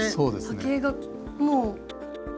波形がもう。